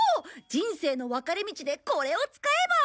人生の分かれ道でこれを使えば。